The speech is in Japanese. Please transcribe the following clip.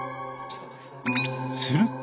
すると。